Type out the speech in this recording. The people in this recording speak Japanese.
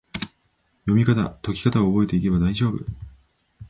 読みかた・解きかたを覚えていけば大丈夫！